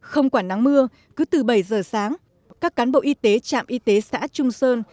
không quản nắng mưa cứ từ bảy giờ sáng các cán bộ y tế trạm y tế xã trung sơn